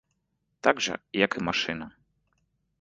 Так жа, як і машына.